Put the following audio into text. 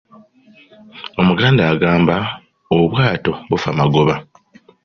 "Omuganda agamba, ""Obwato bufa magoba""."